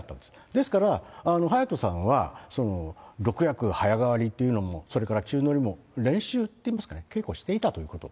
ですから隼人さんは、６役早がわりという、それから宙乗りも練習っていいますかね、稽古していたということ。